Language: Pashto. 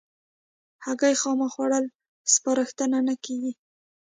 هګۍ خام خوړل سپارښتنه نه کېږي.